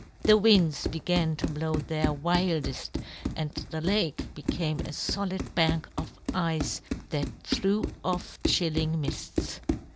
The winds began to blow their wildest, and the lake became a solid bank of ice that threw off chilling mists.